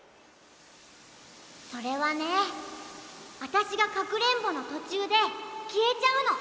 それはねあたしがかくれんぼのとちゅうできえちゃうの！